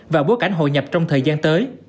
và bối cảnh hội nhập trong thời gian tới